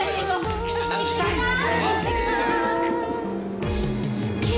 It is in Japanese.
いってきまーす！